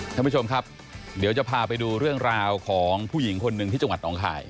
ท่านผู้ชมครับเดี๋ยวจะพาไปดูเรื่องราวของผู้หญิงคนหนึ่งที่จังหวัดหนองคาย